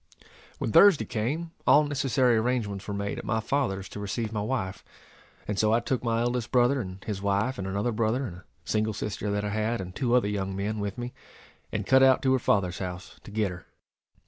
When Thursday came, all necessary arrangements were made at my father's to receive my wife; and so I took my eldest brother and his wife, and another brother, and a single sister that I had, and two other young men with me, and cut out to her father's house to get her.